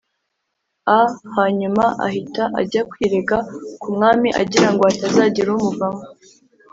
a hanyuma ahita ajya kwirega ku Mwami agira ngo hatazagira umuvamo